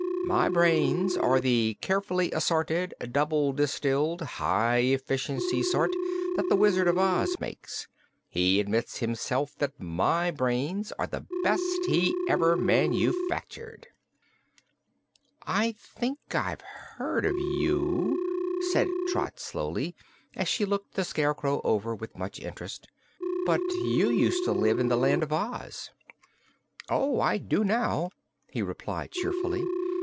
"My brains are the Carefully Assorted, Double Distilled, High Efficiency sort that the Wizard of Oz makes. He admits, himself, that my brains are the best he ever manufactured." "I think I've heard of you," said Trot slowly, as she looked the Scarecrow over with much interest; "but you used to live in the Land of Oz." "Oh, I do now," he replied cheerfully.